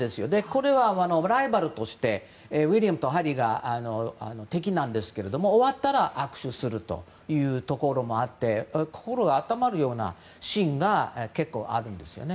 これはライバルとしてウィリアムとヘンリーが敵なんですけど、終わったら握手するというところもあって心温まるようなシーンが結構あるんですよね。